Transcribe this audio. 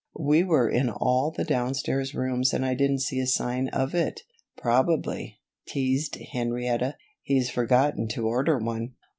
We were in all the downstairs rooms and I didn't see a sign of it." "Probably," teased Henrietta, "he's forgotten to order one.